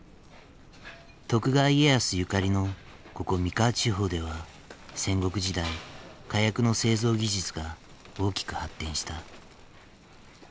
徳川家康ゆかりのここ三河地方では戦国時代火薬の製造技術が大きく発展した。